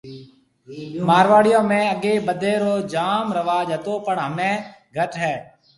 مارواڙيون ۾ اگيَ بدَي رو جام رواج ھتو پڻ ھميَ گھٽ ھيََََ